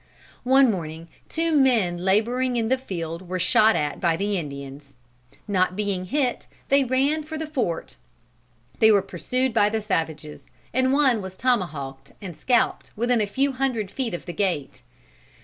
One morning two men laboring in the field were shot at by the Indians. Not being hit, they ran for the fort. They were pursued by the savages, and one was tomahawked and scalped within a few hundred feet of the gate.